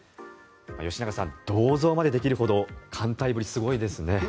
吉永さん、銅像までできるほど歓待ぶりすごいですね。